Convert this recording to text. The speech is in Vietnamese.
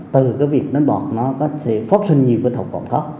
từ việc đánh bạc nó có thể phát sinh nhiều cơ thống cộng cấp